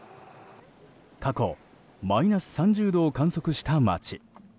過去マイナス３０度を観測した町。